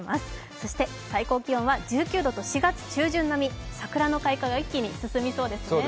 そして最高気温は１９度と４月中旬並み、桜の開花が一気に進みそうですね。